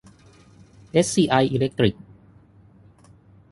เอสซีไอ อีเลคตริค